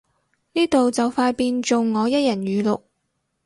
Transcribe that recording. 呢度就快變做我一人語錄